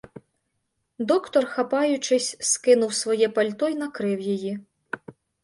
Доктор, хапаючись скинув своє пальто й накрив її.